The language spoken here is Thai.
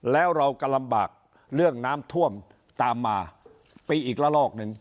แล้วเราก็ลำบากเรื่องน้ำท่วมตามมาไปอีกละลอกหนึ่ง